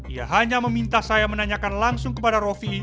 ia hanya meminta saya menanyakan langsung kepada rofi